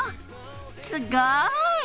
すごい！